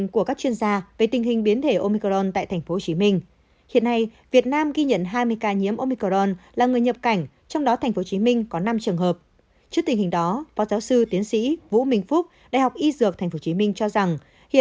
các bạn hãy đăng ký kênh để ủng hộ kênh của chúng mình nhé